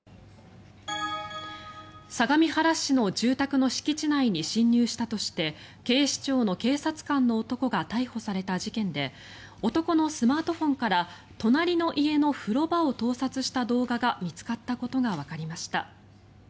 相模原市の住宅の敷地内に侵入したとして警視庁の警察官の男が逮捕された事件で男のスマートフォンから隣の家の風呂場を盗撮した動画が見つかったことがわかりました。